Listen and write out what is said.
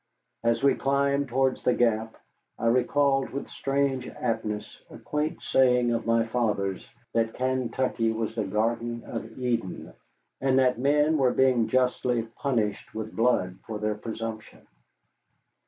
As we climbed towards the Gap, I recalled with strange aptness a quaint saying of my father's that Kaintuckee was the Garden of Eden, and that men were being justly punished with blood for their presumption.